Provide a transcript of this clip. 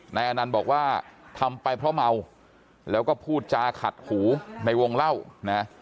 นายอนันต์บอกว่าทำไปเพราะเมาแล้วก็พูดจาขัดหูในวงเล่านะ